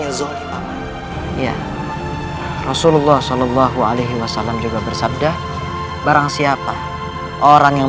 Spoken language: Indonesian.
yang zoli pak ya rasulullah shallallahu alaihi wasallam juga bersabda barangsiapa orang yang